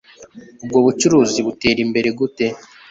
Ubwo bucuruzi butera imbere gute